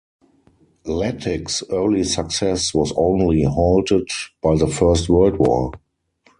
Latics early success was only halted by the First World War.